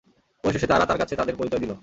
অবশেষে তারা তার কাছে তাদের পরিচয় দিল।